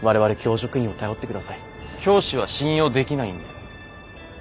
教師は信用できないんで。